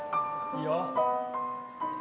いいよ。